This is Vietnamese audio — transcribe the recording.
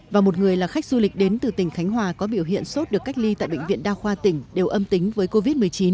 và một người là khách du lịch đến từ tỉnh khánh hòa có biểu hiện sốt được cách ly tại bệnh viện đa khoa tỉnh đều âm tính với covid một mươi chín